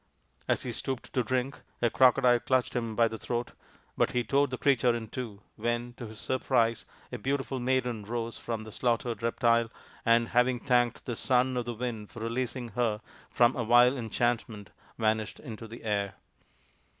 As he stooped to drink a crocodile clutched him by the throat, but he tore the creature in two, when, to his surprise, a beautiful maiden rose from the slaughtered reptile, and, having thanked the Son of the Wind for releasing her from a vile enchant ment, vanished into the air.